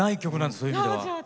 そういう意味では。